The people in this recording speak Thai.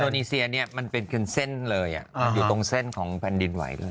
อินโดนีเซียนี่มันเป็นขึ้นเส้นเลยอยู่ตรงเส้นของแผ่นดินไหว